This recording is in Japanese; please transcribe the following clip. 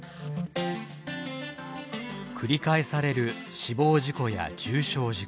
繰り返される死亡事故や重傷事故。